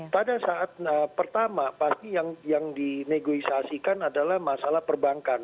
pada saat pertama pasti yang dinegosiasikan adalah masalah perbankan